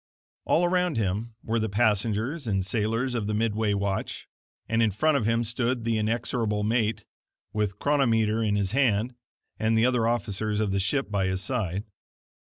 All around him were the passengers and sailors of the midway watch, and in front of him stood the inexorable mate, with chronometer in his hand, and the other officers of the ship by his side.